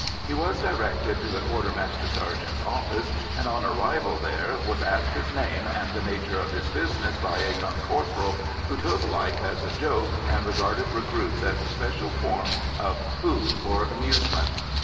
He was directed to the quartermaster sergeant's office, and, on arrival there, was asked his name and the nature of his business by a young corporal who took life as a joke and regarded recruits as a special form of food for amusement.